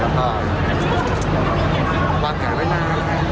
แล้วก็วางแก่ไว้หน้า